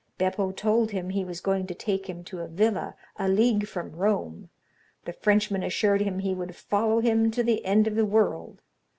Beppo told him he was going to take him to a villa a league from Rome; the Frenchman assured him he would follow him to the end of the world.